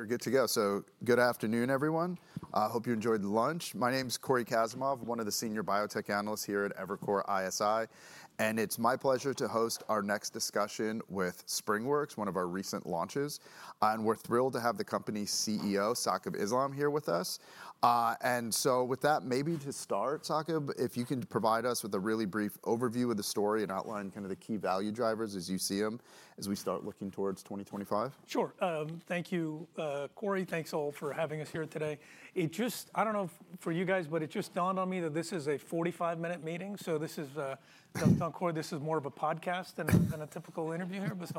We are good to go, so good afternoon, everyone. I hope you enjoyed lunch. My name is Cory Kasimov, one of the senior biotech analysts here at Evercore ISI, and it's my pleasure to host our next discussion with SpringWorks, one of our recent launches, and we're thrilled to have the company's CEO, Saqib Islam, here with us, and so with that, maybe to start, Saqib, if you can provide us with a really brief overview of the story and outline kind of the key value drivers as you see them as we start looking towards 2025. Sure. Thank you, Cory. Thanks all for having us here today. It just, I don't know for you guys, but it just dawned on me that this is a 45-minute meeting. So this is, Cory, this is more of a podcast than a typical interview here, but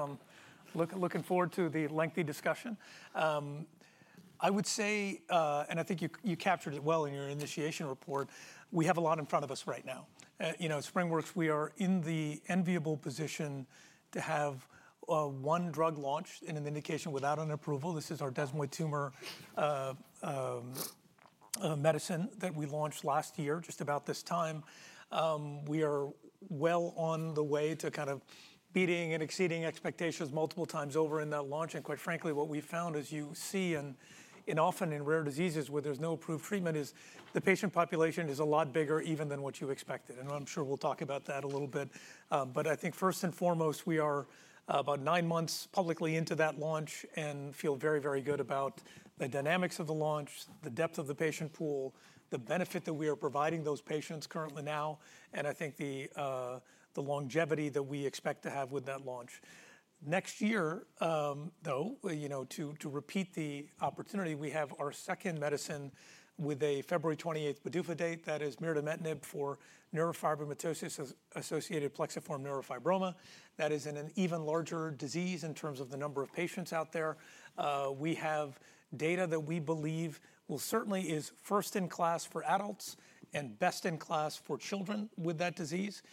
looking forward to the lengthy discussion. I would say, and I think you captured it well in your initiation report, we have a lot in front of us right now. You know, SpringWorks, we are in the enviable position to have one drug launched in an indication without an approval. This is our desmoid tumor medicine that we launched last year just about this time. We are well on the way to kind of beating and exceeding expectations multiple times over in that launch. Quite frankly, what we found, as you see in often in rare diseases where there's no approved treatment, is the patient population is a lot bigger even than what you expected. I'm sure we'll talk about that a little bit. I think first and foremost, we are about nine months publicly into that launch and feel very, very good about the dynamics of the launch, the depth of the patient pool, the benefit that we are providing those patients currently now, and I think the longevity that we expect to have with that launch. Next year, though, you know, to repeat the opportunity, we have our second medicine with a February 28th PDUFA date that is mirtametinib for neurofibromatosis-associated plexiform neurofibroma. That is an even larger disease in terms of the number of patients out there. We have data that we believe will certainly be first in class for adults and best in class for children with that disease.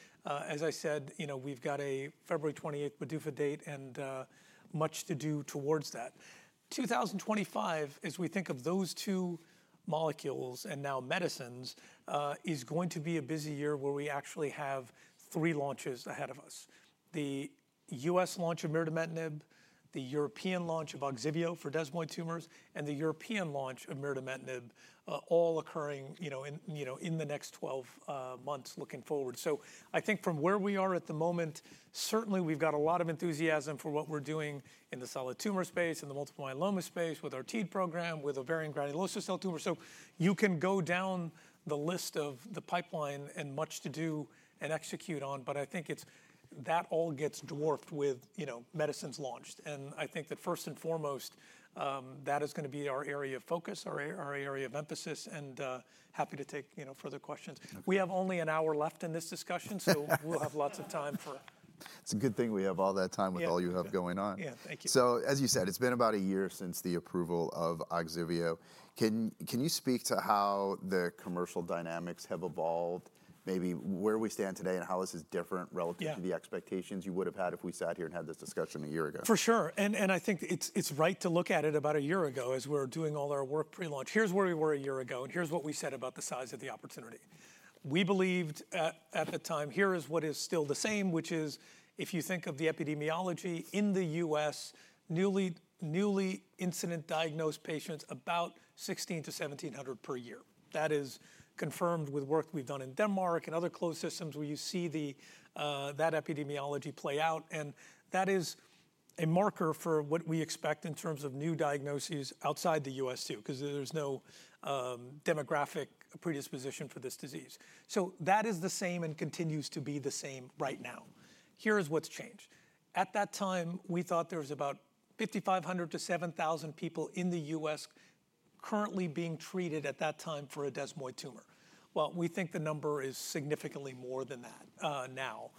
As I said, you know, we've got a February 28th PDUFA date and much to do towards that. 2025, as we think of those two molecules and now medicines, is going to be a busy year where we actually have three launches ahead of us: the U.S. launch of mirtametinib, the European launch of Ogsiveo for desmoid tumors, and the European launch of mirtametinib, all occurring, you know, in the next 12 months looking forward. So I think from where we are at the moment, certainly we've got a lot of enthusiasm for what we're doing in the solid tumor space and the multiple myeloma space with our TEAD program, with ovarian granulosa cell tumor. You can go down the list of the pipeline and much to do and execute on, but I think that all gets dwarfed with, you know, medicines launched. I think that first and foremost, that is going to be our area of focus, our area of emphasis, and happy to take, you know, further questions. We have only an hour left in this discussion, so we'll have lots of time for. It's a good thing we have all that time with all you have going on. Yeah, thank you. So as you said, it's been about a year since the approval of Ogsiveo. Can you speak to how the commercial dynamics have evolved, maybe where we stand today and how this is different relative to the expectations you would have had if we sat here and had this discussion a year ago? For sure. I think it's right to look at it about a year ago as we're doing all our work pre-launch. Here's where we were a year ago, and here's what we said about the size of the opportunity. We believed at the time, here is what is still the same, which is if you think of the epidemiology in the U.S., newly incident diagnosed patients, about 1,600-1,700 per year. That is confirmed with work we've done in Denmark and other closed systems where you see that epidemiology play out. That is a marker for what we expect in terms of new diagnoses outside the U.S. too, because there's no demographic predisposition for this disease. That is the same and continues to be the same right now. Here's what's changed. At that time, we thought there was about 5,500-7,000 people in the U.S. currently being treated at that time for a desmoid tumor. Well, we think the number is significantly more than that now.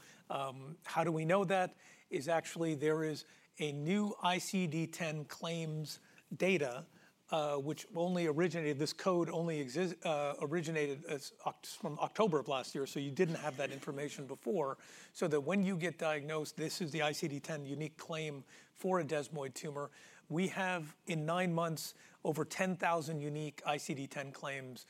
How do we know that? It's actually there is a new ICD-10 claims data, this code only originated from October of last year. So you didn't have that information before. So that when you get diagnosed, this is the ICD-10 unique claim for a desmoid tumor. We have in nine months over 10,000 unique ICD-10 claims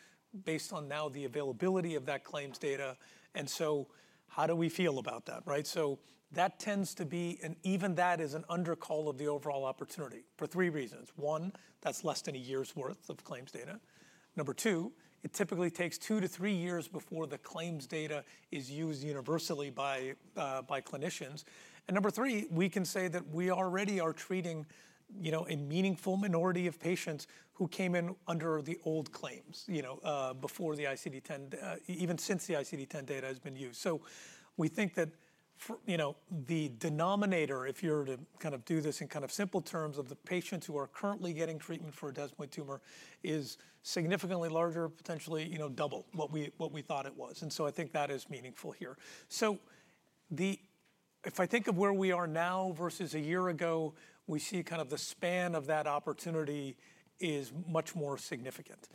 based on now the availability of that claims data. And so how do we feel about that? Right? So that tends to be, and even that is an undercount of the overall opportunity for three reasons. One, that's less than a year's worth of claims data. Number two, it typically takes two to three years before the claims data is used universally by clinicians. And number three, we can say that we already are treating, you know, a meaningful minority of patients who came in under the old claims, you know, before the ICD-10, even since the ICD-10 data has been used. So we think that, you know, the denominator, if you're to kind of do this in kind of simple terms of the patients who are currently getting treatment for a desmoid tumor is significantly larger, potentially, you know, double what we thought it was. And so I think that is meaningful here. So if I think of where we are now versus a year ago, we see kind of the span of that opportunity is much more significant.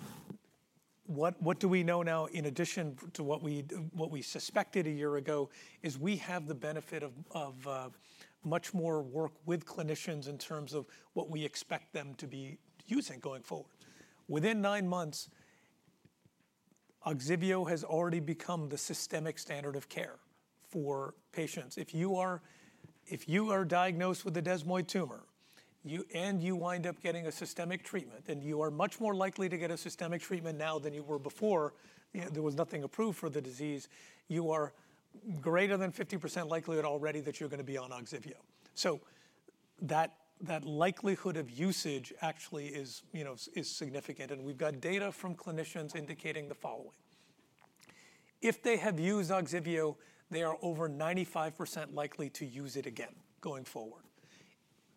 What do we know now? In addition to what we suspected a year ago is we have the benefit of much more work with clinicians in terms of what we expect them to be using going forward. Within nine months, Ogsiveo has already become the systemic standard of care for patients. If you are diagnosed with a desmoid tumor and you wind up getting a systemic treatment and you are much more likely to get a systemic treatment now than you were before, there was nothing approved for the disease, you are greater than 50% likelihood already that you're going to be on Ogsiveo. So that likelihood of usage actually is significant. And we've got data from clinicians indicating the following. If they have used Ogsiveo, they are over 95% likely to use it again going forward.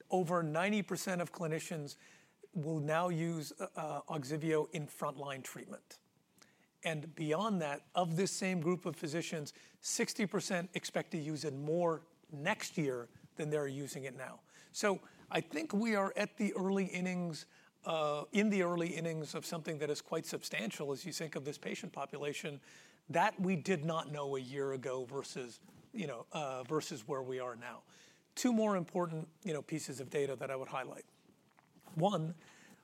Over 90% of clinicians will now use Ogsiveo in frontline treatment. Beyond that, of this same group of physicians, 60% expect to use it more next year than they're using it now. So I think we are at the early innings, in the early innings, of something that is quite substantial as you think of this patient population that we did not know a year ago versus where we are now. Two more important pieces of data that I would highlight. One,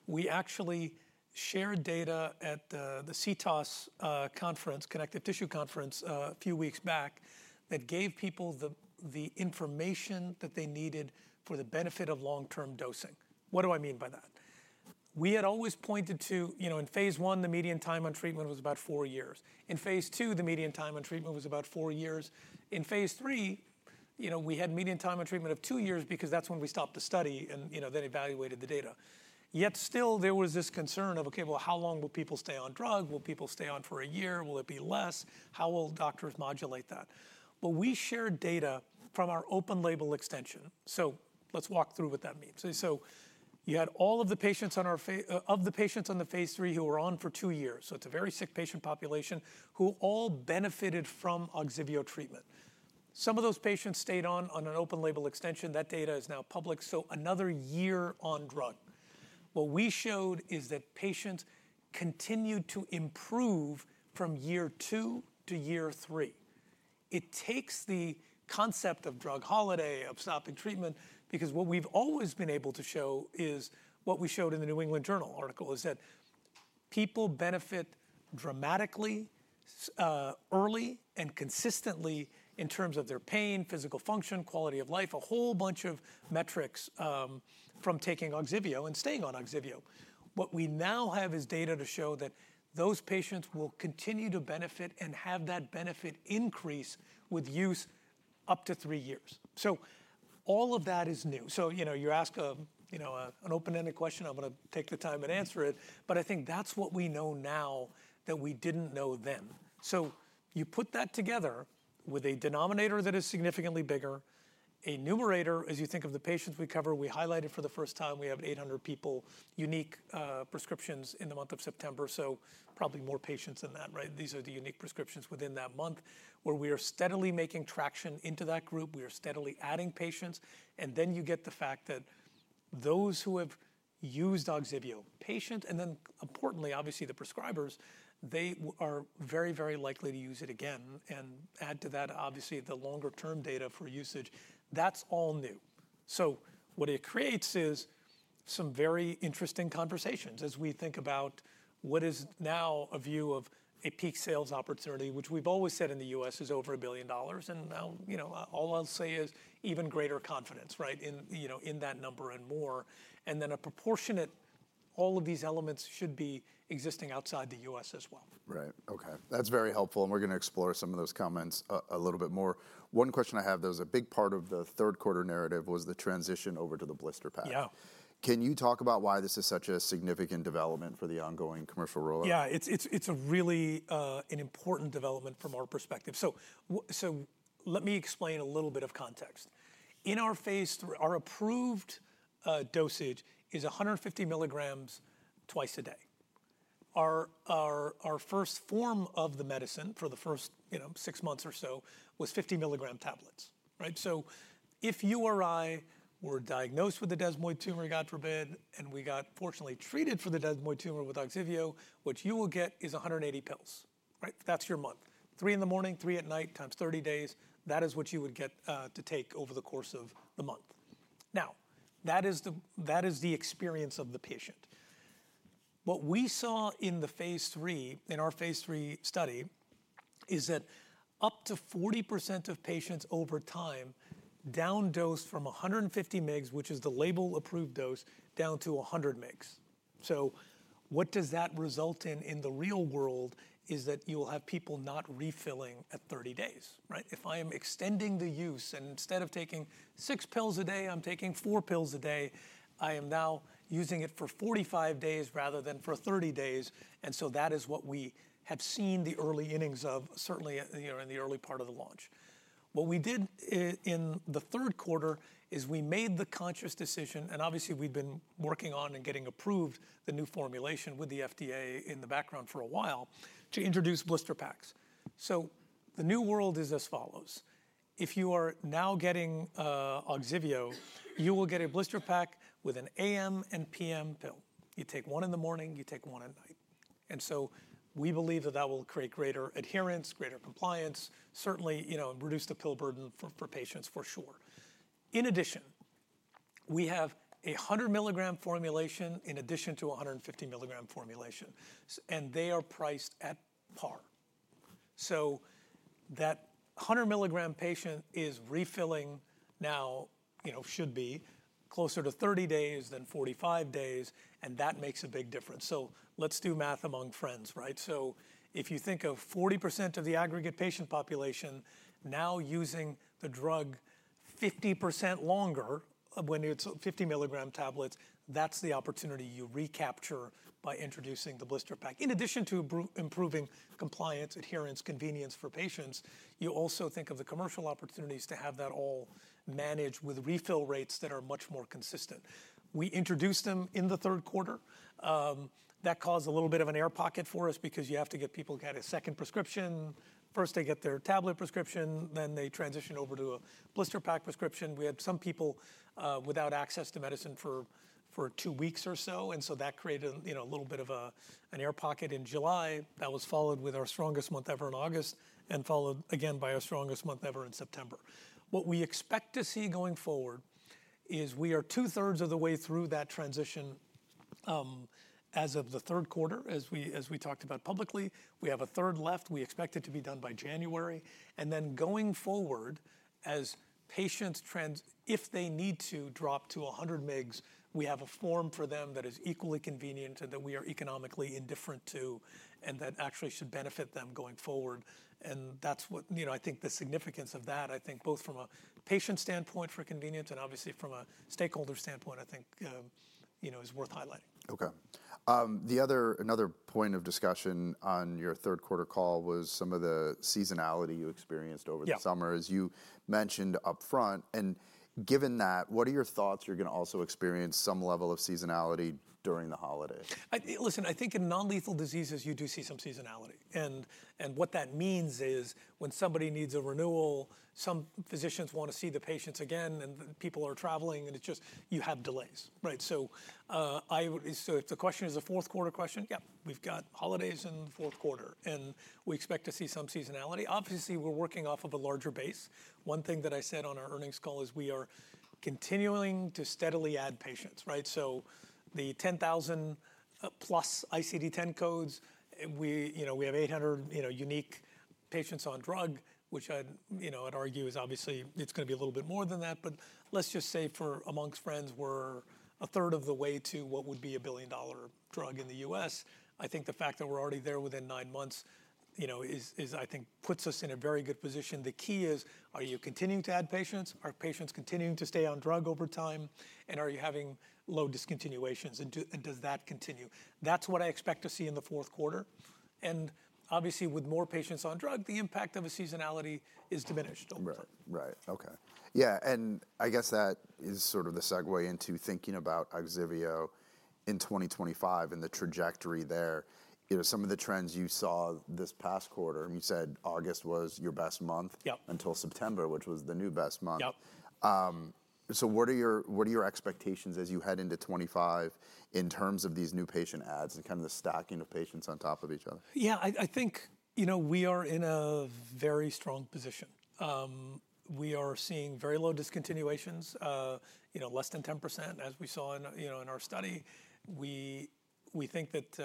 we actually shared data at the CTOS conference, connective tissue conference a few weeks back that gave people the information that they needed for the benefit of long-term dosing. What do I mean by that? We had always pointed to, you know, in phase I, the median time on treatment was about four years. In phase II, the median time on treatment was about four years. In phase III, you know, we had median time on treatment of two years because that's when we stopped the study and, you know, then evaluated the data. Yet still, there was this concern of, okay, well, how long will people stay on drug? Will people stay on for a year? Will it be less? How will doctors modulate that? Well, we shared data from our open-label extension. So let's walk through what that means. So you had all of the patients from our phase III who were on for two years. So it's a very sick patient population who all benefited from Ogsiveo treatment. Some of those patients stayed on an open-label extension. That data is now public. So another year on drug. What we showed is that patients continued to improve from year two to year three. It takes the concept of drug holiday of stopping treatment because what we've always been able to show is what we showed in the New England Journal article is that people benefit dramatically early and consistently in terms of their pain, physical function, quality of life, a whole bunch of metrics from taking Ogsiveo and staying on Ogsiveo. What we now have is data to show that those patients will continue to benefit and have that benefit increase with use up to three years. So all of that is new. So, you know, you ask an open-ended question, I'm going to take the time and answer it. But I think that's what we know now that we didn't know then. So you put that together with a denominator that is significantly bigger, a numerator, as you think of the patients we cover. We highlighted for the first time we have 800 people unique prescriptions in the month of September. So probably more patients than that, right? These are the unique prescriptions within that month where we are steadily making traction into that group. We are steadily adding patients. And then you get the fact that those who have used Ogsiveo, patients, and then importantly, obviously the prescribers, they are very, very likely to use it again. And add to that, obviously, the longer-term data for usage. That's all new. So what it creates is some very interesting conversations as we think about what is now a view of a peak sales opportunity, which we've always said in the U.S. is over $1 billion. Now, you know, all I'll say is even greater confidence, right, in that number and more. Then a proportionate, all of these elements should be existing outside the U.S. as well. Right. Okay. That's very helpful. And we're going to explore some of those comments a little bit more. One question I have, there was a big part of the third quarter narrative was the transition over to the blister pack. Yeah. Can you talk about why this is such a significant development for the ongoing commercial rollout? Yeah, it's a really important development from our perspective. So let me explain a little bit of context. In our phase, our approved dosage is 150 mg twice a day. Our first form of the medicine for the first, you know, six months or so was 50 mg tablets, right? So if you or I were diagnosed with a desmoid tumor, God forbid, and we got fortunately treated for the desmoid tumor with Ogsiveo, what you will get is 180 pills, right? That's your month. Three in the morning, three at night, times 30 days. That is what you would get to take over the course of the month. Now, that is the experience of the patient. What we saw in the phase III, in our phase III study, is that up to 40% of patients over time down dosed from 150 mg, which is the label approved dose, down to 100 mg. So what does that result in in the real world is that you will have people not refilling at 30 days, right? If I am extending the use and instead of taking six pills a day, I'm taking four pills a day, I am now using it for 45 days rather than for 30 days. And so that is what we have seen the early innings of, certainly, you know, in the early part of the launch. What we did in the third quarter is we made the conscious decision, and obviously we've been working on and getting approved the new formulation with the FDA in the background for a while to introduce blister packs. So the new world is as follows. If you are now getting Ogsiveo, you will get a blister pack with an AM and PM pill. You take one in the morning, you take one at night. And so we believe that that will create greater adherence, greater compliance, certainly, you know, reduce the pill burden for patients for sure. In addition, we have a 100 mg formulation in addition to a 150 mg formulation. And they are priced at par. So that 100 mg patient is refilling now, you know, should be closer to 30 days than 45 days. And that makes a big difference. So let's do math among friends, right? If you think of 40% of the aggregate patient population now using the drug 50% longer when it's 50 mg tablets, that's the opportunity you recapture by introducing the blister pack. In addition to improving compliance, adherence, convenience for patients, you also think of the commercial opportunities to have that all managed with refill rates that are much more consistent. We introduced them in the third quarter. That caused a little bit of an air pocket for us because you have to get people to get a second prescription. First, they get their tablet prescription, then they transition over to a blister pack prescription. We had some people without access to medicine for two weeks or so, and that created a little bit of an air pocket in July. That was followed with our strongest month ever in August and followed again by our strongest month ever in September. What we expect to see going forward is we are 2/3 of the way through that transition as of the third quarter, as we talked about publicly. We have a third left. We expect it to be done by January. And then going forward, as patients, if they need to drop to 100 mg, we have a form for them that is equally convenient and that we are economically indifferent to and that actually should benefit them going forward. And that's what, you know, I think the significance of that, I think both from a patient standpoint for convenience and obviously from a stakeholder standpoint, I think, you know, is worth highlighting. Okay. The other point of discussion on your third quarter call was some of the seasonality you experienced over the summer, as you mentioned upfront, and given that, what are your thoughts? You're going to also experience some level of seasonality during the holiday. Listen, I think in non-lethal diseases, you do see some seasonality, and what that means is when somebody needs a renewal, some physicians want to see the patients again and people are traveling and it's just you have delays, right, so the question is a fourth quarter question. Yep, we've got holidays in the fourth quarter and we expect to see some seasonality. Obviously, we're working off of a larger base. One thing that I said on our earnings call is we are continuing to steadily add patients, right, so the 10,000+ ICD-10 codes, we, you know, we have 800, you know, unique patients on drug, which I, you know, I'd argue is obviously it's going to be a little bit more than that, but let's just say for amongst friends, we're 1/3 of the way to what would be a billion-dollar drug in the U.S. I think the fact that we're already there within nine months, you know, is, I think, puts us in a very good position. The key is, are you continuing to add patients? Are patients continuing to stay on drug over time? And are you having low discontinuations? And does that continue? That's what I expect to see in the fourth quarter. And obviously, with more patients on drug, the impact of a seasonality is diminished over time. Right. Right. Okay. Yeah. And I guess that is sort of the segue into thinking about Ogsiveo in 2025 and the trajectory there. You know, some of the trends you saw this past quarter, you said August was your best month until September, which was the new best month. So what are your expectations as you head into 2025 in terms of these new patient adds and kind of the stacking of patients on top of each other? Yeah, I think, you know, we are in a very strong position. We are seeing very low discontinuations, you know, less than 10% as we saw in our study. We think that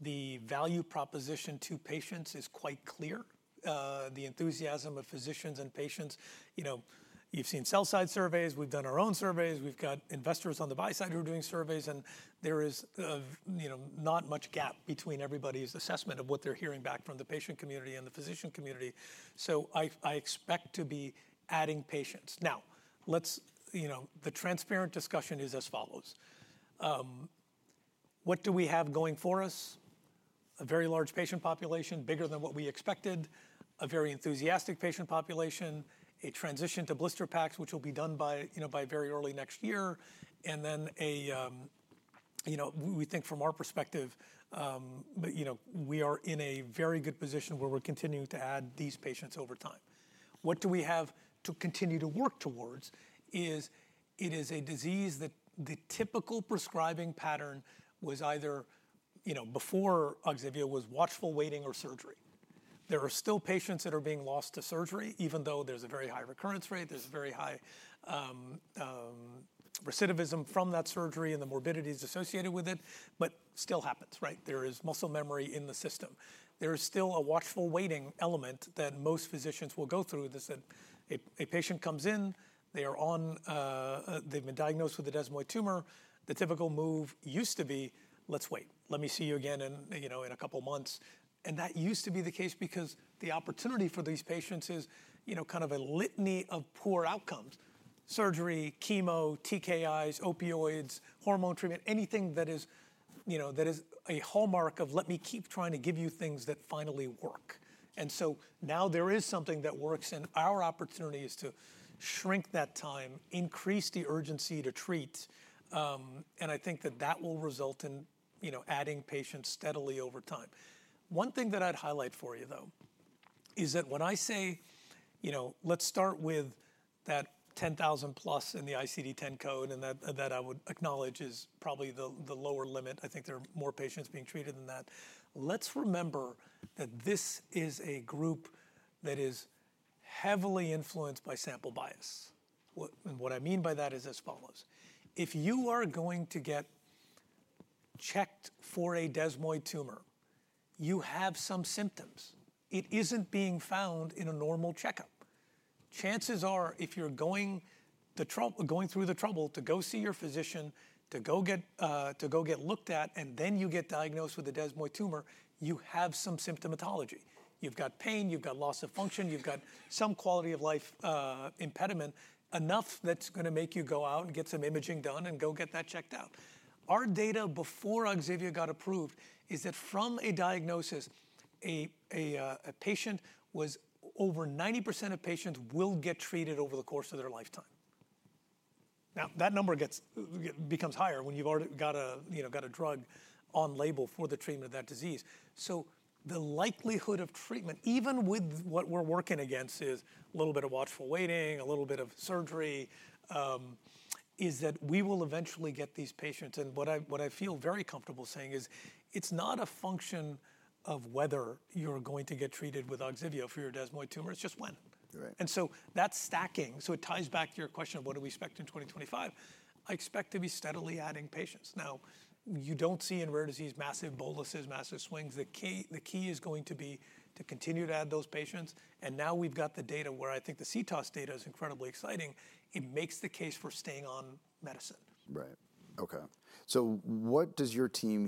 the value proposition to patients is quite clear. The enthusiasm of physicians and patients, you know, you've seen sell-side surveys. We've done our own surveys. We've got investors on the buy side who are doing surveys. And there is, you know, not much gap between everybody's assessment of what they're hearing back from the patient community and the physician community. So I expect to be adding patients. Now, let's, you know, the transparent discussion is as follows. What do we have going for us? A very large patient population, bigger than what we expected, a very enthusiastic patient population, a transition to blister packs, which will be done by, you know, by very early next year. And then, you know, we think from our perspective, you know, we are in a very good position where we're continuing to add these patients over time. What we have to continue to work towards is it is a disease that the typical prescribing pattern was either, you know, before Ogsiveo was watchful waiting or surgery. There are still patients that are being lost to surgery, even though there's a very high recurrence rate, there's very high recidivism from that surgery and the morbidities associated with it, but it still happens, right? There is muscle memory in the system. There is still a watchful waiting element that most physicians will go through. A patient comes in, they are on, they've been diagnosed with a desmoid tumor. The typical move used to be, let's wait. Let me see you again in, you know, in a couple of months. And that used to be the case because the opportunity for these patients is, you know, kind of a litany of poor outcomes: surgery, chemo, TKIs, opioids, hormone treatment, anything that is, you know, that is a hallmark of let me keep trying to give you things that finally work. And so now there is something that works and our opportunity is to shrink that time, increase the urgency to treat. And I think that that will result in, you know, adding patients steadily over time. One thing that I'd highlight for you, though, is that when I say, you know, let's start with that 10,000+ in the ICD-10 code and that I would acknowledge is probably the lower limit. I think there are more patients being treated than that. Let's remember that this is a group that is heavily influenced by sample bias. What I mean by that is as follows. If you are going to get checked for a desmoid tumor, you have some symptoms. It isn't being found in a normal checkup. Chances are if you're going through the trouble to go see your physician, to go get looked at, and then you get diagnosed with a desmoid tumor, you have some symptomatology. You've got pain, you've got loss of function, you've got some quality of life impediment, enough that's going to make you go out and get some imaging done and go get that checked out. Our data before Ogsiveo got approved is that from a diagnosis, a patient was over 90% of patients will get treated over the course of their lifetime. Now, that number becomes higher when you've already got, you know, a drug on label for the treatment of that disease. So the likelihood of treatment, even with what we're working against, is a little bit of watchful waiting, a little bit of surgery, is that we will eventually get these patients, and what I feel very comfortable saying is it's not a function of whether you're going to get treated with Ogsiveo for your desmoid tumor, it's just when, and so that's stacking, so it ties back to your question of what do we expect in 2025, I expect to be steadily adding patients, now, you don't see in rare disease massive boluses, massive swings, the key is going to be to continue to add those patients, and now we've got the data where I think the CTOS data is incredibly exciting, it makes the case for staying on medicine. Right. Okay. So what does your team in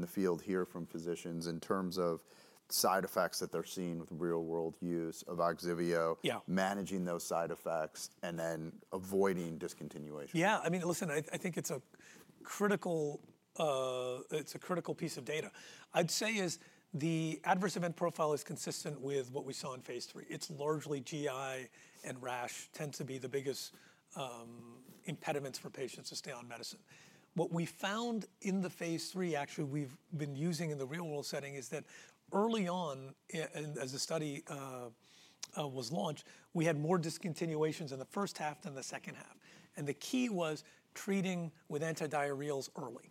the field hear from physicians in terms of side effects that they're seeing with real-world use of Ogsiveo, managing those side effects, and then avoiding discontinuation? Yeah. I mean, listen, I think it's a critical piece of data. I'd say is the adverse event profile is consistent with what we saw in phase III. It's largely GI and rash tend to be the biggest impediments for patients to stay on medicine. What we found in the phase III, actually we've been using in the real-world setting is that early on, as the study was launched, we had more discontinuations in the first half than the second half. And the key was treating with antidiarrheals early.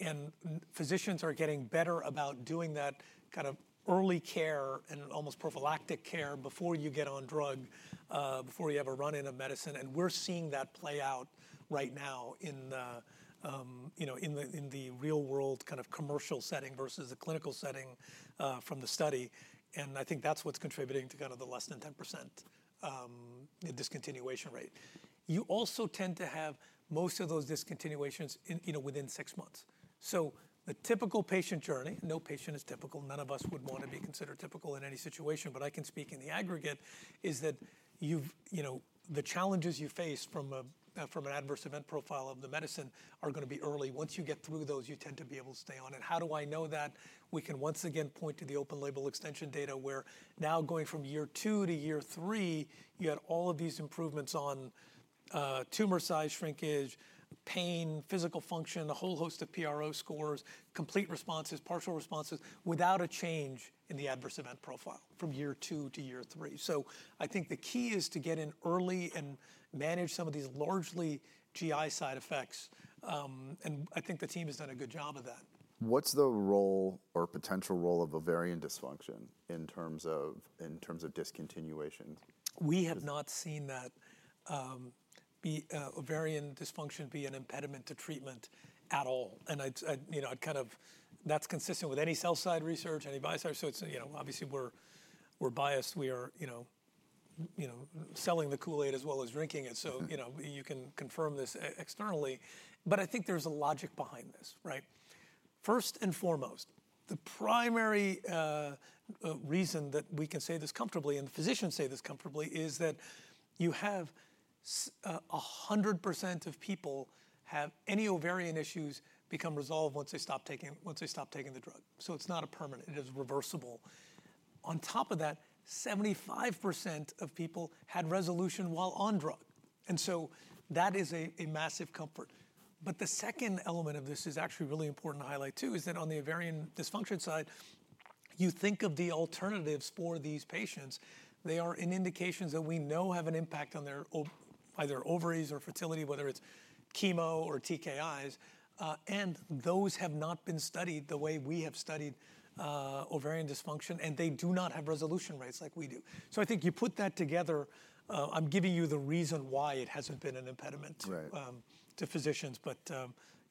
And physicians are getting better about doing that kind of early care and almost prophylactic care before you get on drug, before you have a run-in of medicine. And we're seeing that play out right now in the, you know, in the real-world kind of commercial setting versus the clinical setting from the study. I think that's what's contributing to kind of the less than 10% discontinuation rate. You also tend to have most of those discontinuations, you know, within six months. The typical patient journey, no patient is typical. None of us would want to be considered typical in any situation, but I can speak in the aggregate is that you've, you know, the challenges you face from an adverse event profile of the medicine are going to be early. Once you get through those, you tend to be able to stay on. How do I know that? We can once again point to the open label extension data where now going from year two to year three, you had all of these improvements on tumor size shrinkage, pain, physical function, a whole host of PRO scores, complete responses, partial responses without a change in the adverse event profile from year two to year three. So I think the key is to get in early and manage some of these largely GI side effects. And I think the team has done a good job of that. What's the role or potential role of ovarian dysfunction in terms of discontinuation? We have not seen that ovarian dysfunction be an impediment to treatment at all, and I, you know, I'd kind of, that's consistent with any sell-side research, any buy-side, so it's, you know, obviously we're biased, we are, you know, selling the Kool-Aid as well as drinking it, so, you know, you can confirm this externally, but I think there's a logic behind this, right? First and foremost, the primary reason that we can say this comfortably and the physicians say this comfortably is that you have 100% of people have any ovarian issues become resolved once they stop taking the drug, so it's not a permanent. It is reversible. On top of that, 75% of people had resolution while on drug, and so that is a massive comfort. But the second element of this is actually really important to highlight too is that on the ovarian dysfunction side, you think of the alternatives for these patients. They are in indications that we know have an impact on their either ovaries or fertility, whether it's chemo or TKIs. And those have not been studied the way we have studied ovarian dysfunction. And they do not have resolution rates like we do. So I think you put that together, I'm giving you the reason why it hasn't been an impediment to physicians. But,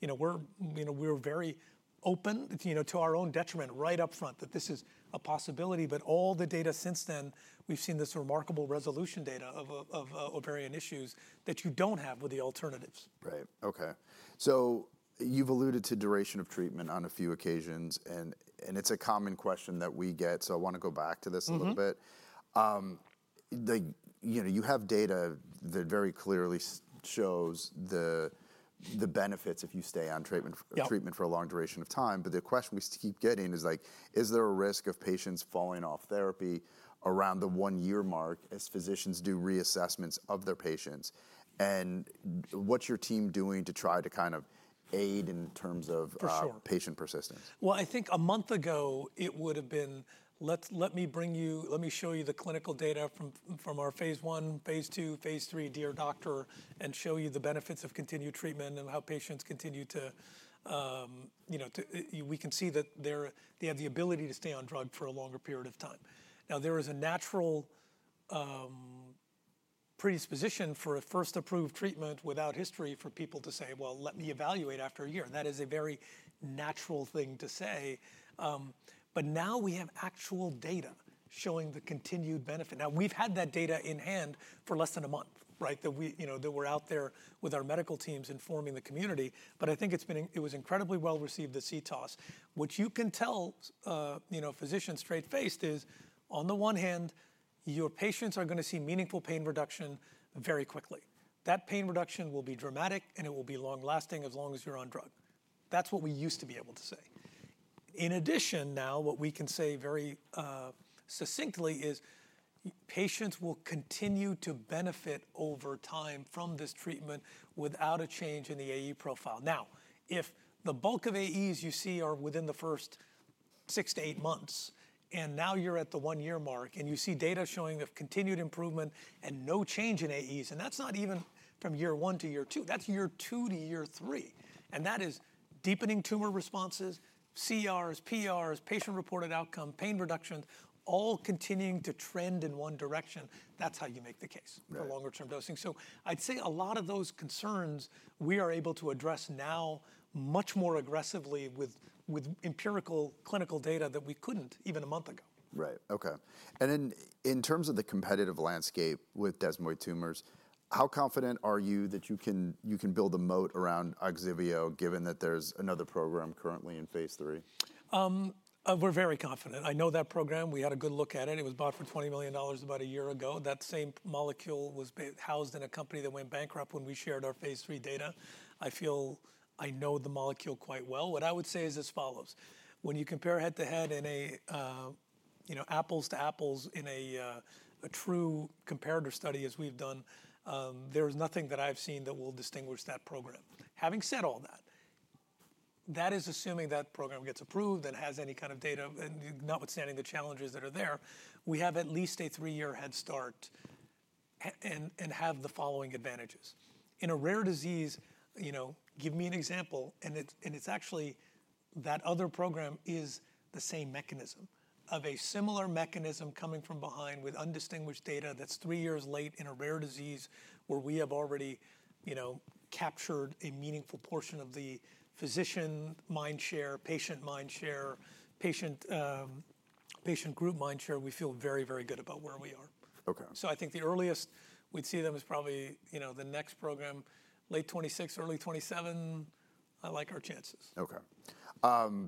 you know, we're very open, you know, to our own detriment right up front that this is a possibility. But all the data since then, we've seen this remarkable resolution data of ovarian issues that you don't have with the alternatives. Right. Okay. So you've alluded to duration of treatment on a few occasions. And it's a common question that we get. So I want to go back to this a little bit. You know, you have data that very clearly shows the benefits if you stay on treatment for a long duration of time. But the question we keep getting is like, is there a risk of patients falling off therapy around the one-year mark as physicians do reassessments of their patients? And what's your team doing to try to kind of aid in terms of patient persistence? I think a month ago it would have been, let me bring you, let me show you the clinical data from our phase I, phase II, phase III, dear doctor, and show you the benefits of continued treatment and how patients continue to, you know, we can see that they have the ability to stay on drug for a longer period of time. Now, there is a natural predisposition for a first approved treatment without history for people to say, well, let me evaluate after a year. And that is a very natural thing to say. But now we have actual data showing the continued benefit. Now, we've had that data in hand for less than a month, right? You know, that we're out there with our medical teams informing the community. But I think it was incredibly well received the CTOS. What you can tell, you know, physicians straight-faced is on the one hand, your patients are going to see meaningful pain reduction very quickly. That pain reduction will be dramatic and it will be long-lasting as long as you're on drug. That's what we used to be able to say. In addition, now what we can say very succinctly is patients will continue to benefit over time from this treatment without a change in the AE profile. Now, if the bulk of AEs you see are within the first six to eight months and now you're at the one-year mark and you see data showing of continued improvement and no change in AEs, and that's not even from year one to year two. That's year two to year three, and that is deepening tumor responses, CRs, PRs, patient reported outcome, pain reduction, all continuing to trend in one direction. That's how you make the case for longer-term dosing. So I'd say a lot of those concerns we are able to address now much more aggressively with empirical clinical data that we couldn't even a month ago. Right. Okay. And then in terms of the competitive landscape with desmoid tumors, how confident are you that you can build a moat around Ogsiveo given that there's another program currently in phase III? We're very confident. I know that program. We had a good look at it. It was bought for $20 million about a year ago. That same molecule was housed in a company that went bankrupt when we shared our phase III data. I feel I know the molecule quite well. What I would say is as follows. When you compare head to head in a, you know, apples to apples in a true comparator study as we've done, there is nothing that I've seen that will distinguish that program. Having said all that, that is assuming that program gets approved and has any kind of data, notwithstanding the challenges that are there, we have at least a three-year head start and have the following advantages. In a rare disease, you know, give me an example. It's actually that other program is the same mechanism of a similar mechanism coming from behind with undistinguished data that's three years late in a rare disease where we have already, you know, captured a meaningful portion of the physician mind share, patient mind share, patient group mind share. We feel very, very good about where we are. Okay. So I think the earliest we'd see them is probably, you know, the next program, late 2026, early 2027. I like our chances. Okay.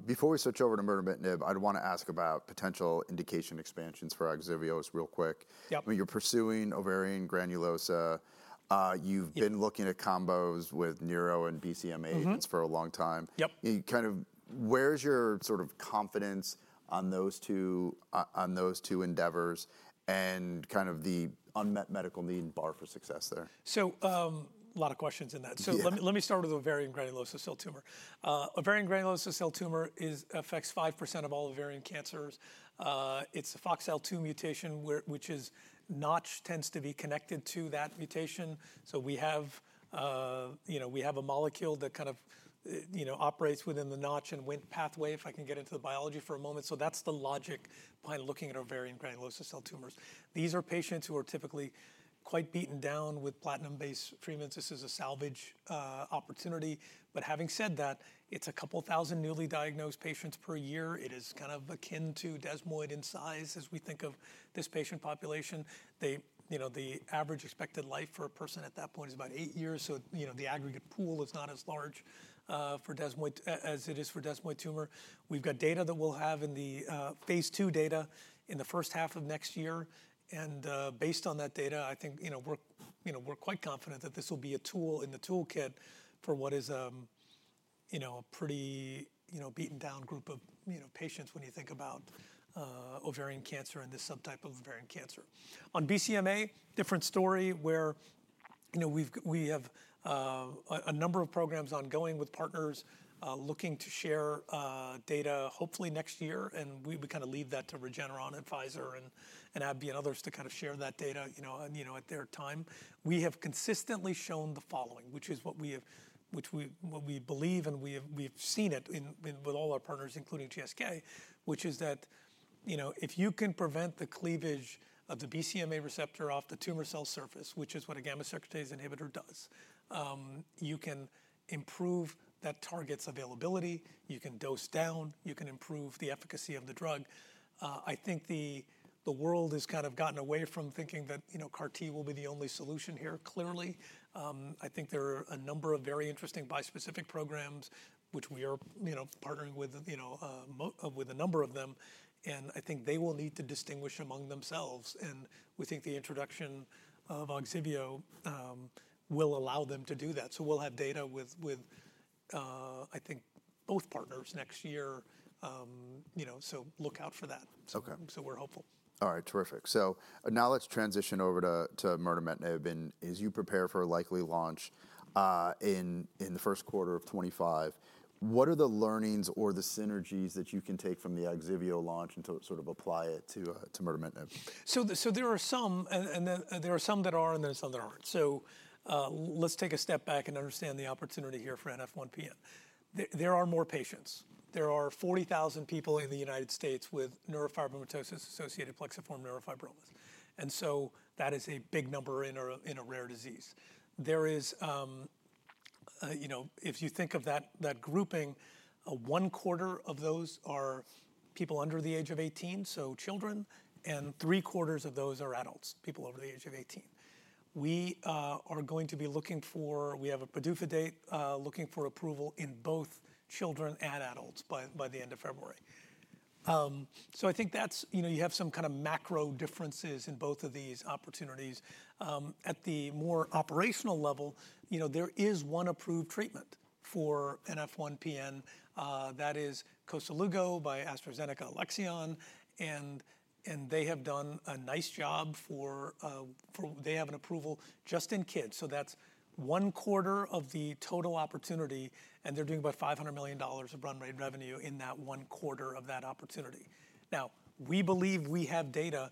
Before we switch over to mirtametinib, I'd want to ask about potential indication expansions for Ogsiveo real quick. You're pursuing ovarian granulosa. You've been looking at combos with nirogacestat and BCMA for a long time. Kind of where's your sort of confidence on those two endeavors and kind of the unmet medical need and bar for success there? So a lot of questions in that. So let me start with ovarian granulosa cell tumor. Ovarian granulosa cell tumor affects 5% of all ovarian cancers. It's a FOXL2 mutation, which is Notch tends to be connected to that mutation. So we have, you know, we have a molecule that kind of, you know, operates within the Notch and Wnt pathway if I can get into the biology for a moment. So that's the logic behind looking at ovarian granulosa cell tumors. These are patients who are typically quite beaten down with platinum-based treatments. This is a salvage opportunity. But having said that, it's a couple thousand newly diagnosed patients per year. It is kind of akin to desmoid in size as we think of this patient population. They, you know, the average expected life for a person at that point is about eight years. You know, the aggregate pool is not as large for desmoid as it is for desmoid tumor. We've got data that we'll have in the phase II data in the first half of next year. Based on that data, I think, you know, we're quite confident that this will be a tool in the toolkit for what is, you know, a pretty, you know, beaten down group of, you know, patients when you think about ovarian cancer and this subtype of ovarian cancer. On BCMA, different story where, you know, we have a number of programs ongoing with partners looking to share data hopefully next year. We kind of leave that to Regeneron, Pfizer, and AbbVie and others to kind of share that data, you know, at their time. We have consistently shown the following, which is what we believe and we've seen it with all our partners, including GSK, which is that, you know, if you can prevent the cleavage of the BCMA receptor off the tumor cell surface, which is what a gamma secretase inhibitor does, you can improve that target's availability. You can dose down. You can improve the efficacy of the drug. I think the world has kind of gotten away from thinking that, you know, CAR T will be the only solution here clearly. I think there are a number of very interesting bispecific programs, which we are, you know, partnering with, you know, with a number of them. And I think they will need to distinguish among themselves. And we think the introduction of Ogsiveo will allow them to do that. So we'll have data with, I think, both partners next year, you know, so look out for that. So we're hopeful. All right. Terrific. So now let's transition over to mirtametinib. As you prepare for a likely launch in the first quarter of 2025, what are the learnings or the synergies that you can take from the Ogsiveo launch and sort of apply it to mirtametinib? So there are some, and there are some that are, and there are some that aren't. So let's take a step back and understand the opportunity here for NF1-PN. There are more patients. There are 40,000 people in the United States with neurofibromatosis associated plexiform neurofibromas. And so that is a big number in a rare disease. There is, you know, if you think of that grouping, 1/4 of those are people under the age of 18, so children, and 3/4 of those are adults, people over the age of 18. We are going to be looking for, we have a PDUFA date looking for approval in both children and adults by the end of February. So I think that's, you know, you have some kind of macro differences in both of these opportunities. At the more operational level, you know, there is one approved treatment for NF1-PN. That is Koselugo by AstraZeneca Alexion, and they have done a nice job for, they have an approval just in kids. So that's 1/4 of the total opportunity, and they're doing about $500 million of run rate revenue in that 1/4 of that opportunity. Now, we believe we have data.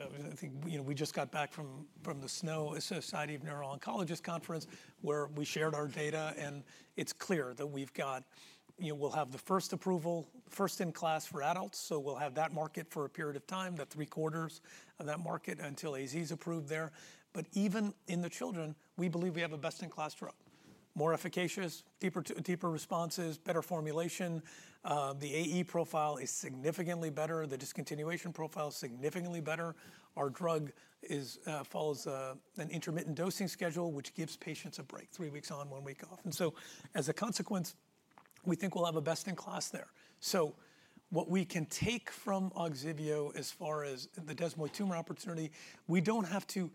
I think, you know, we just got back from the Society for Neuro-Oncology Conference where we shared our data, and it's clear that we've got, you know, we'll have the first approval, first-in-class for adults. So we'll have that market for a period of time, that 3/4 of that market until AZ is approved there. But even in the children, we believe we have a best-in-class drug. More efficacious, deeper responses, better formulation. The AE profile is significantly better. The discontinuation profile is significantly better. Our drug follows an intermittent dosing schedule, which gives patients a break, three weeks on, one week off, and so as a consequence, we think we'll have a best-in-class there, so what we can take from Ogsiveo as far as the desmoid tumor opportunity, we don't have to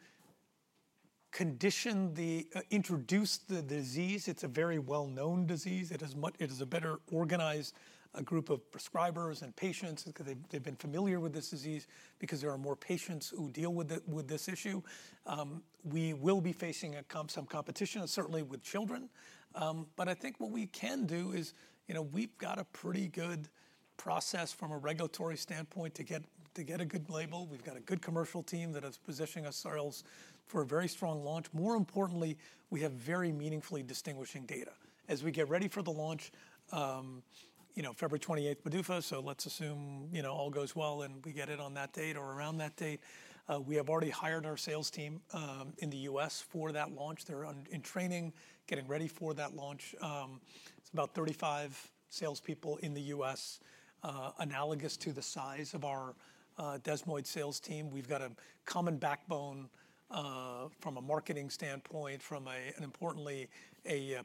condition the, introduce the disease. It's a very well-known disease. It is a better organized group of prescribers and patients because they've been familiar with this disease because there are more patients who deal with this issue. We will be facing some competition, certainly with children, but I think what we can do is, you know, we've got a pretty good process from a regulatory standpoint to get a good label. We've got a good commercial team that is positioning ourselves for a very strong launch. More importantly, we have very meaningfully distinguishing data. As we get ready for the launch, you know, February 28th, PDUFA. So let's assume, you know, all goes well and we get it on that date or around that date. We have already hired our sales team in the U.S. for that launch. They're in training, getting ready for that launch. It's about 35 salespeople in the U.S., analogous to the size of our desmoid sales team. We've got a common backbone from a marketing standpoint, from an importantly a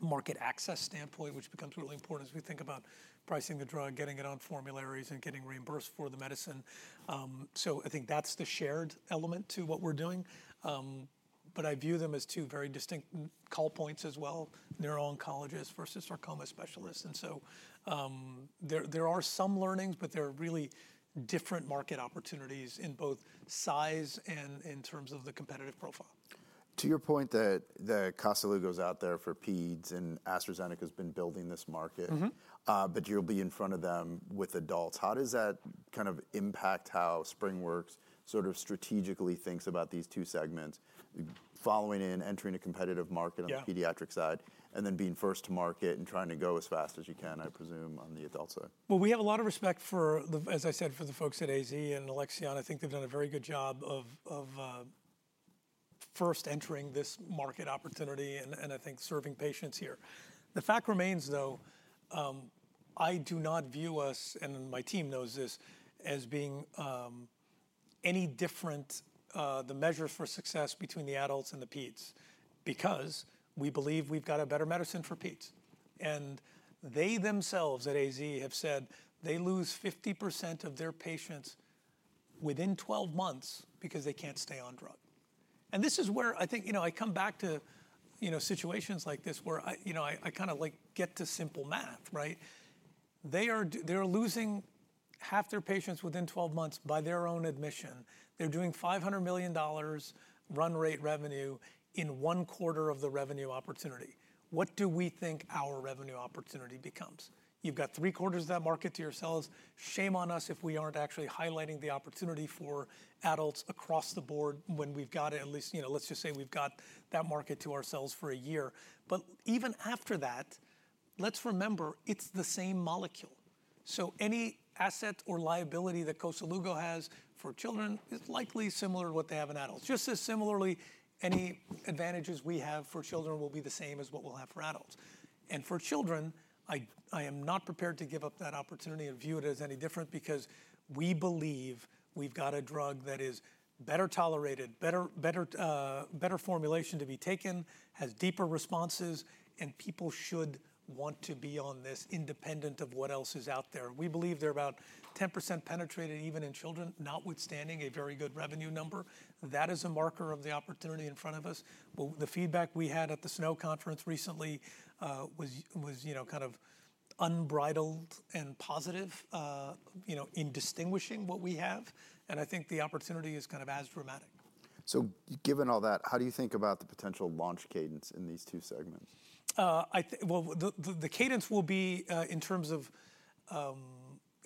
market access standpoint, which becomes really important as we think about pricing the drug, getting it on formularies, and getting reimbursed for the medicine. So I think that's the shared element to what we're doing. But I view them as two very distinct call points as well, neuro-oncologists versus sarcoma specialists. And so there are some learnings, but there are really different market opportunities in both size and in terms of the competitive profile. To your point that Koselugo is out there for peds and AstraZeneca has been building this market, but you'll be in front of them with adults. How does that kind of impact how SpringWorks sort of strategically thinks about these two segments, following in, entering a competitive market on the pediatric side, and then being first to market and trying to go as fast as you can, I presume, on the adult side? We have a lot of respect for, as I said, for the folks at AZ and Alexion. I think they've done a very good job of first entering this market opportunity and I think serving patients here. The fact remains, though, I do not view us, and my team knows this, as being any different the measures for success between the adults and the peds because we believe we've got a better medicine for peds. And they themselves at AZ have said they lose 50% of their patients within 12 months because they can't stay on drug. And this is where I think, you know, I come back to, you know, situations like this where, you know, I kind of like get to simple math, right? They are losing half their patients within 12 months by their own admission. They're doing $500 million run rate revenue in 1/4 of the revenue opportunity. What do we think our revenue opportunity becomes? You've got 3/4 of that market to yourselves. Shame on us if we aren't actually highlighting the opportunity for adults across the board when we've got it, at least, you know, let's just say we've got that market to ourselves for a year, but even after that, let's remember it's the same molecule, so any asset or liability that Koselugo has for children is likely similar to what they have in adults. Just as similarly, any advantages we have for children will be the same as what we'll have for adults. For children, I am not prepared to give up that opportunity and view it as any different because we believe we've got a drug that is better tolerated, better formulation to be taken, has deeper responses, and people should want to be on this independent of what else is out there. We believe they're about 10% penetrated even in children, notwithstanding a very good revenue number. That is a marker of the opportunity in front of us. The feedback we had at the SNO Conference recently was, you know, kind of unbridled and positive, you know, in distinguishing what we have. I think the opportunity is kind of as dramatic. So given all that, how do you think about the potential launch cadence in these two segments? The cadence will be in terms of,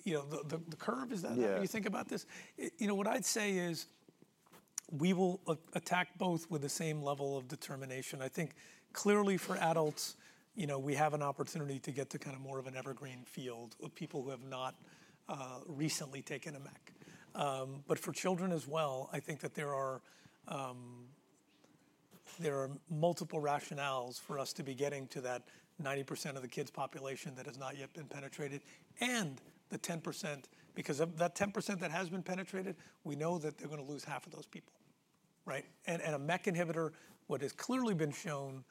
you know, the curve, is that how you think about this? You know, what I'd say is we will attack both with the same level of determination. I think clearly for adults, you know, we have an opportunity to get to kind of more of an evergreen field of people who have not recently taken a MEK. But for children as well, I think that there are multiple rationales for us to be getting to that 90% of the kids population that has not yet been penetrated and the 10% because of that 10% that has been penetrated, we know that they're going to lose 1/2 of those people, right? And a MEK inhibitor, what has clearly been shown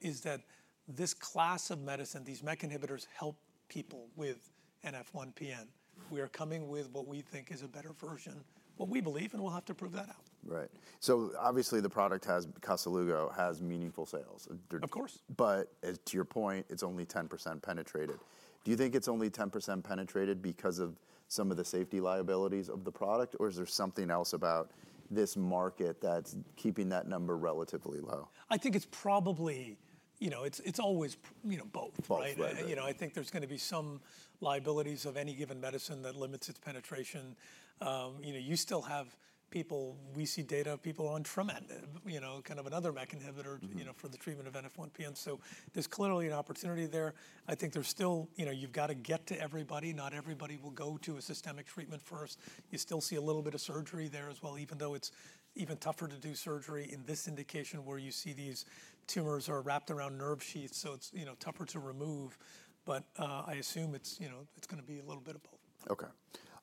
is that this class of medicine, these MEK inhibitors help people with NF1-PN. We are coming with what we think is a better version, what we believe, and we'll have to prove that out. Right. So obviously the product, Koselugo, has meaningful sales. Of course. But to your point, it's only 10% penetrated. Do you think it's only 10% penetrated because of some of the safety liabilities of the product, or is there something else about this market that's keeping that number relatively low? I think it's probably, you know, it's always, you know, both, right? You know, I think there's going to be some liabilities of any given medicine that limits its penetration. You know, you still have people. We see data of people on trametinib, you know, kind of another MEK inhibitor, you know, for the treatment of NF1-PN. So there's clearly an opportunity there. I think there's still, you know, you've got to get to everybody. Not everybody will go to a systemic treatment first. You still see a little bit of surgery there as well, even though it's even tougher to do surgery in this indication where you see these tumors are wrapped around nerve sheaths. So it's, you know, tougher to remove. But I assume it's, you know, it's going to be a little bit of both. Okay.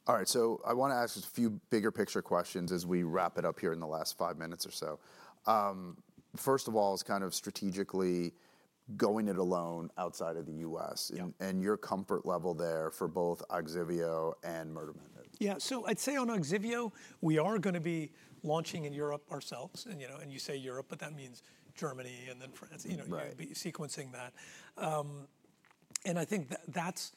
All right. So I want to ask a few bigger picture questions as we wrap it up here in the last five minutes or so. First of all, is kind of strategically going it alone outside of the U.S. and your comfort level there for both Ogsiveo and mirtametinib? Yeah. So I'd say on Ogsiveo, we are going to be launching in Europe ourselves. And you know, and you say Europe, but that means Germany and then France, you know, sequencing that. And I think that's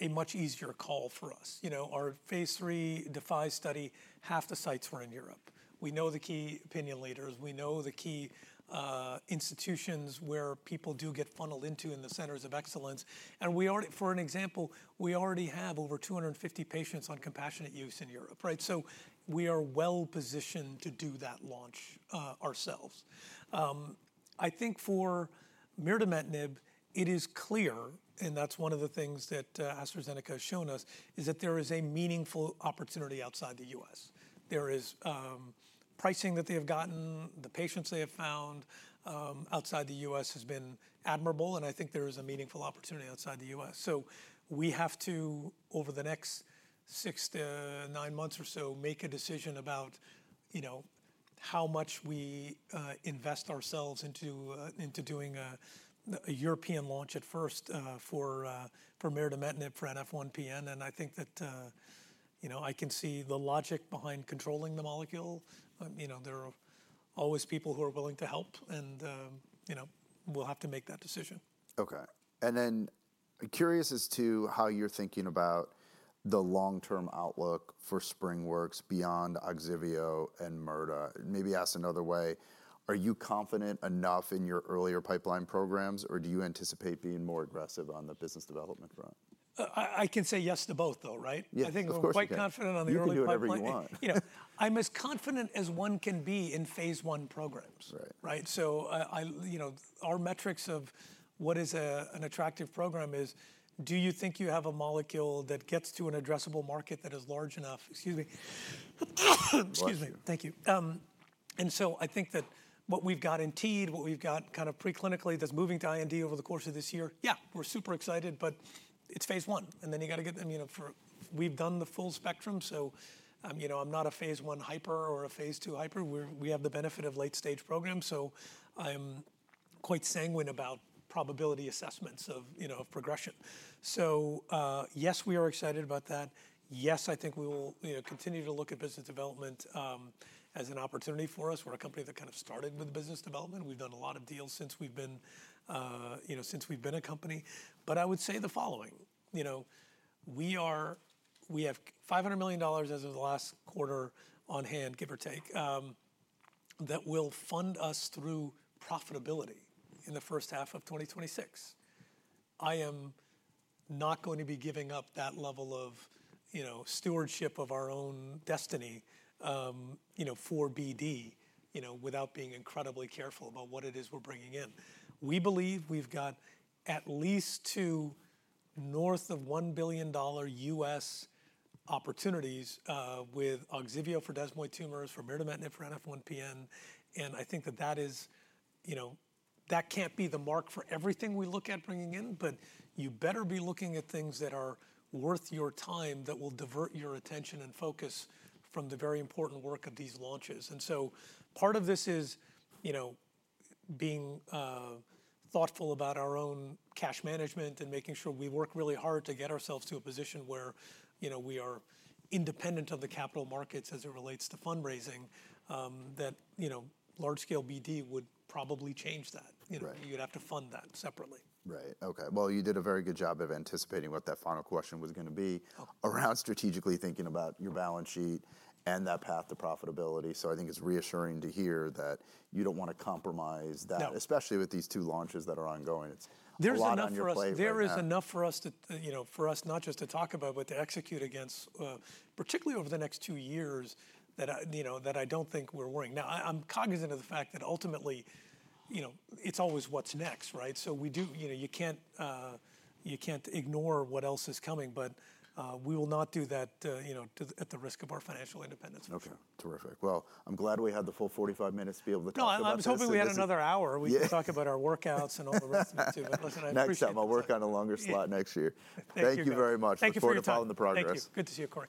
a much easier call for us. You know, our phase III DeFi study, 1/2 the sites were in Europe. We know the key opinion leaders. We know the key institutions where people do get funneled into in the centers of excellence. And we already, for an example, we already have over 250 patients on compassionate use in Europe, right? So we are well-positioned to do that launch ourselves. I think for mirtametinib, it is clear, and that's one of the things that AstraZeneca has shown us, is that there is a meaningful opportunity outside the U.S. There is pricing that they have gotten, the patients they have found outside the U.S. has been admirable. I think there is a meaningful opportunity outside the U.S. We have to, over the next six to nine months or so, make a decision about, you know, how much we invest ourselves into doing a European launch at first for mirtametinib for NF1-PN. I think that, you know, I can see the logic behind controlling the molecule. You know, there are always people who are willing to help. You know, we'll have to make that decision. Okay. And then curious as to how you're thinking about the long-term outlook for SpringWorks beyond Ogsiveo and mirtametinib. Maybe asked another way, are you confident enough in your earlier pipeline programs, or do you anticipate being more aggressive on the business development front? I can say yes to both, though, right? I think we're quite confident on the early pipeline. You can do whatever you want. You know, I'm as confident as one can be in phase I programs, right? So, you know, our metrics of what is an attractive program is, do you think you have a molecule that gets to an addressable market that is large enough? Excuse me. Excuse me. Thank you. And so I think that what we've got in TEAD, what we've got kind of preclinically that's moving to IND over the course of this year, yeah, we're super excited, but it's phase I. And then you got to get, you know, we've done the full spectrum. So, you know, I'm not a phase I hyper or a phase II hyper. We have the benefit of late-stage programs. So I'm quite sanguine about probability assessments of, you know, of progression. So yes, we are excited about that. Yes, I think we will continue to look at business development as an opportunity for us. We're a company that kind of started with business development. We've done a lot of deals since we've been, you know, since we've been a company. But I would say the following, you know, we have $500 million as of the last quarter on hand, give or take, that will fund us through profitability in the first half of 2026. I am not going to be giving up that level of, you know, stewardship of our own destiny, you know, for BD, you know, without being incredibly careful about what it is we're bringing in. We believe we've got at least two north of $1 billion U.S. opportunities with Ogsiveo for desmoid tumors, for mirtametinib for NF1-PN. And I think that that is, you know, that can't be the mark for everything we look at bringing in, but you better be looking at things that are worth your time that will divert your attention and focus from the very important work of these launches. And so part of this is, you know, being thoughtful about our own cash management and making sure we work really hard to get ourselves to a position where, you know, we are independent of the capital markets as it relates to fundraising, that, you know, large-scale BD would probably change that. You'd have to fund that separately. Right. Okay. Well, you did a very good job of anticipating what that final question was going to be around strategically thinking about your balance sheet and that path to profitability. So I think it's reassuring to hear that you don't want to compromise that, especially with these two launches that are ongoing. There's enough for us. There is enough for us to, you know, for us not just to talk about, but to execute against, particularly over the next two years that, you know, that I don't think we're worrying. Now, I'm cognizant of the fact that ultimately, you know, it's always what's next, right? So we do, you know, you can't ignore what else is coming, but we will not do that, you know, at the risk of our financial independence. Okay. Terrific. Well, I'm glad we had the full 45 minutes to be able to talk about this. I was hoping we had another hour. We can talk about our workouts and all the rest of it too. Next time, I'll work on a longer slot next year. Thank you very much. Thank you for your time. Looking forward to following the progress. Thank you. Good to see you, Cory.